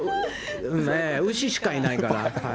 牛しかいないから。